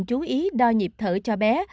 chú ý đo nhịp thở cho bé